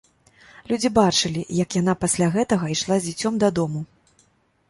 Людзі бачылі, як яна пасля гэтага ішла з дзіцем дадому.